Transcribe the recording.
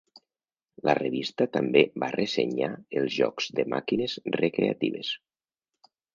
La revista també va ressenyar els jocs de màquines recreatives.